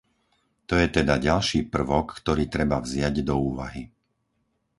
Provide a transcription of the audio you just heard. To je teda ďalší prvok, ktorý treba vziať do úvahy.